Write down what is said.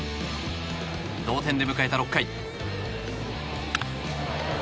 同点で迎えた６回。